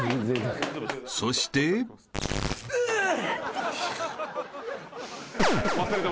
［そして］ううっ。